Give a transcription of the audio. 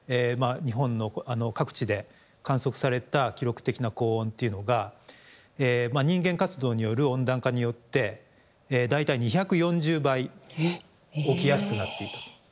日本の各地で観測された記録的な高温というのが人間活動による温暖化によって大体２４０倍起きやすくなっていたと。